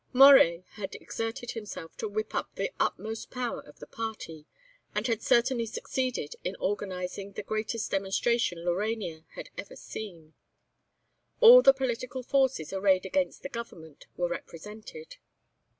Moret had exerted himself to whip up the utmost power of the Party, and had certainly succeeded in organising the greatest demonstration Laurania had ever seen. All the political forces arrayed against the Government were represented.